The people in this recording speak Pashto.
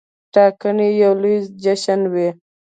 ټاکنې یو لوی جشن وي.